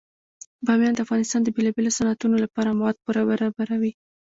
بامیان د افغانستان د بیلابیلو صنعتونو لپاره مواد پوره برابروي.